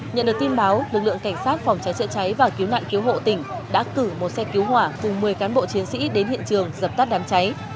nhận được tin báo lực lượng cảnh sát phòng cháy chữa cháy và cứu nạn cứu hộ tỉnh đã cử một xe cứu hỏa cùng một mươi cán bộ chiến sĩ đến hiện trường dập tắt đám cháy